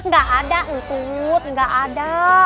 gak ada ntut gak ada